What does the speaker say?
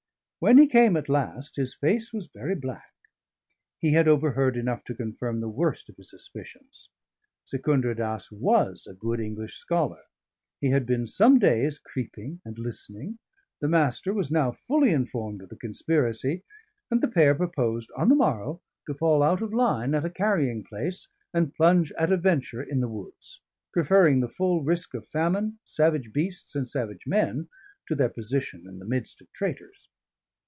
When he came at last, his face was very black. He had overheard enough to confirm the worst of his suspicions. Secundra Dass was a good English scholar; he had been some days creeping and listening, the Master was now fully informed of the conspiracy, and the pair proposed on the morrow to fall out of line at a carrying place and plunge at a venture in the woods: preferring the full risk of famine, savage beasts, and savage men to their position in the midst of traitors.